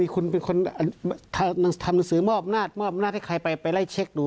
คุณเป็นคนทำหนังสือมอบอำนาจมอบอำนาจให้ใครไปไล่เช็คดู